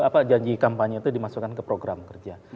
apa janji kampanye itu dimasukkan ke program kerja